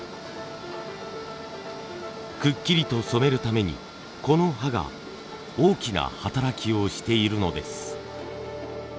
くっきりと染めるためにこの刃が大きな働きをしているのです。